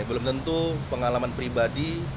belum tentu pengalaman pribadi